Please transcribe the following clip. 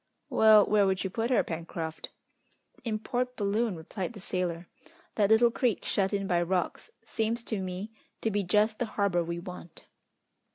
"Well, where would you put her, Pencroft?" "In Port Balloon," replied the sailor. "That little creek, shut in by rocks, seems to me to be just the harbour we want."